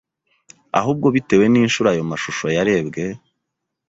ahubwo bitewe n’inshuro ayo mashusho yarebwe